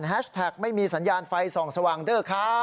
แท็กไม่มีสัญญาณไฟส่องสว่างเด้อครับ